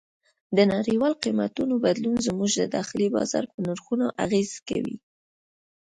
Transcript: د نړیوالو قیمتونو بدلون زموږ د داخلي بازار په نرخونو اغېز کوي.